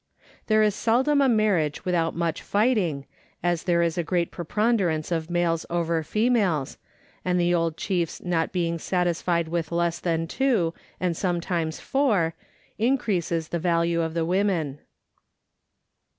There is seldom a marriage without much fighting, as there is a great preponder ance of males over females, and the. old chiefs' not being satisfied with less than two and sometimes four, increases the value of the women.